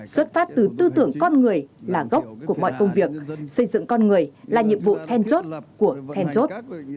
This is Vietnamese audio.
xuất phát từ tư tưởng con người là gốc của mọi công việc xây dựng con người là nhiệm vụ then chốt của then chốt